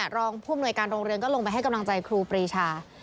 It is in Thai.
และรองภูมิในโรงเรียนก็ลงไปให้กำลังใจครูปรีชา